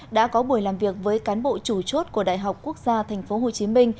đã có buổi làm việc với cán bộ chủ chốt của đại học quốc gia tp hcm